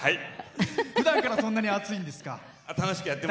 ふだんからそんなに熱いんですか？